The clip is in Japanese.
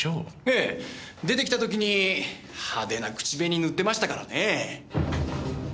ええ。出てきた時に派手な口紅塗ってましたからね。